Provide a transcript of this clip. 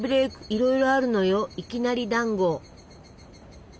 いろいろあるのよいきなりだんご！